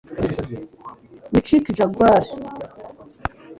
mick jagger